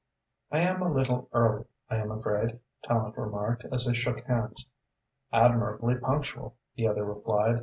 "I am a little early, I am afraid," Tallente remarked, as they shook hands. "Admirably punctual," the other replied.